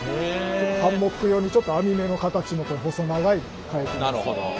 ハンモック用にちょっと網目の形もこういう細長いものに変えてます。